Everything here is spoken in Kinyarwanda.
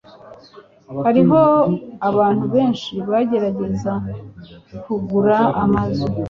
Hariho abantu benshi bagerageza kugura amazu